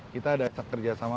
kita ada kerjasama sama kejaksaan